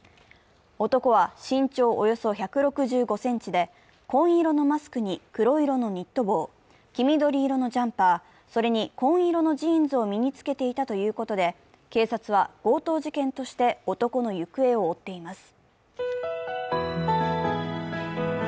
男は身長およそ１６５ｃｍで、紺色のマスクに黒色のニット帽、黄緑色のジャンパー、それに紺色のジーンズを身に着けていたということで、警察は強盗事件として、男の行方を追っています。